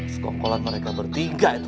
skokolan mereka bertiga itu